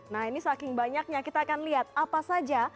nah ini saking banyaknya kita akan lihat apa saja